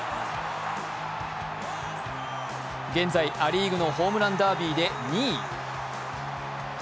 現在、ア・リーグのホームランダービーで２位。